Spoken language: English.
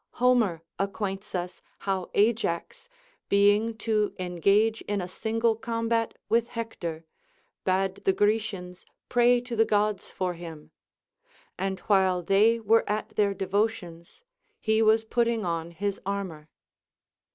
Homer acquaints us how Ajax, being to engage in a single combat with Hector, bade the Grecians pray to the Gods for him ; and while they were at their devotions, he was putting on his armor.